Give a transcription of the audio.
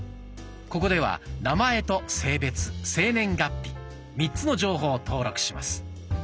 ここでは名前と性別生年月日３つの情報を登録します。